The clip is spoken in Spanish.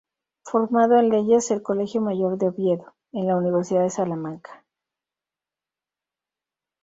Formado en leyes el Colegio Mayor de Oviedo, en la Universidad de Salamanca.